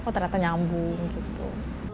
kok ternyata nyambung gitu